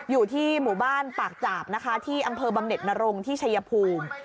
อยู่ที่หมู่บ้านปากจาบนะคะที่อำเภอบำเน็ตนรงที่ชัยภูมิ